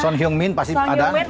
son hyung min pasti ada